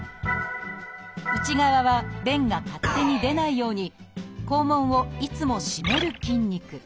内側は便が勝手に出ないように肛門をいつも締める筋肉。